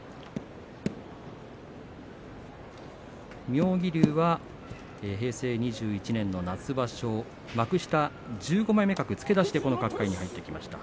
妙義龍は平成２１年の夏場所幕下１５枚目格付け出しでこの角界に入ってきました。